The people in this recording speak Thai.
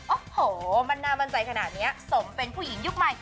โอ้โหมันน่ามั่นใจขนาดนี้สมเป็นผู้หญิงยุคใหม่